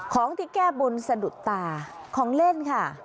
ของที่แก้บนสะดุดตาของเล่นค่ะ